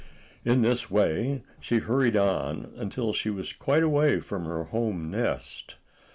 In this way she hurried on until she was quite a way from her home nest.